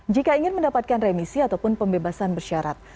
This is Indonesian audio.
jika ingin mendapatkan remisi ataupun pembebasan bersyarat